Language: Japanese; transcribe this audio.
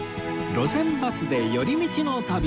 『路線バスで寄り道の旅』